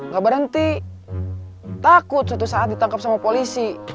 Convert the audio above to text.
gak berhenti takut suatu saat ditangkap sama polisi